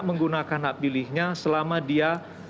menggunakan hak pilihnya selama dia